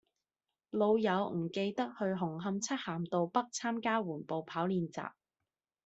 老友唔記得去紅磡漆咸道北參加緩步跑練習